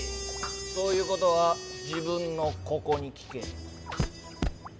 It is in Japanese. そういうことは自分のココに聞け！